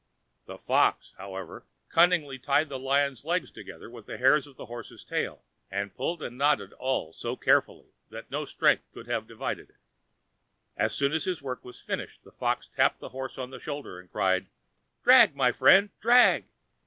The fox, however, cunningly tied the lion's legs together with the hairs of the horse's tail, and pulled and knotted all so carefully that no strength could have divided it. As soon as his work was finished the fox tapped the horse on the shoulder, and cried, "Drag, my friend, drag!"